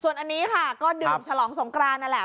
ส่วนอันนี้ค่ะก็ดื่มฉลองสงกรานนั่นแหละ